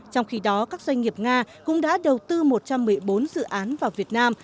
trong khi đó các doanh nghiệp nga cũng đã đầu tư một trăm một mươi bốn dự án vào việt nam